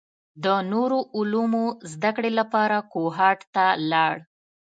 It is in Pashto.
د نورو علومو زده کړې لپاره کوهاټ ته لاړ.